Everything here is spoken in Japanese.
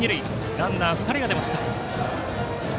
ランナー２人が出ました。